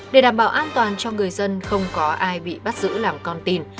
để đảm bảo an toàn cho người dân không có ai bị bắt giữ làm con tin